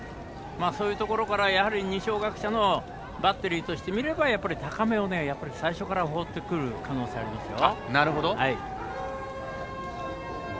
そういうところから二松学舍のバッテリーとして見ればやはり高めを最初から放ってくる可能性がありますよ。